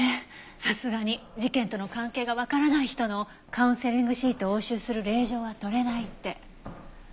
さすがに事件との関係がわからない人のカウンセリングシートを押収する令状はとれないって。